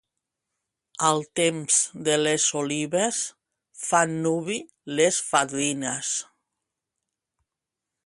Al temps de les olives, fan nuvi les fadrines.